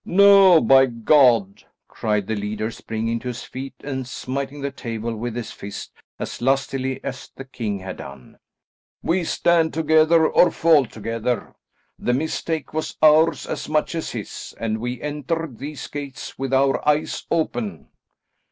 "No, by God," cried the leader springing to his feet and smiting the table with his fist as lustily as the king had done. "We stand together, or fall together. The mistake was ours as much as his, and we entered these gates with our eyes open."